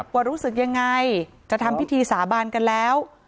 ว่ารู้สึกยังไงจะทำพิธีสาบานกันแล้ว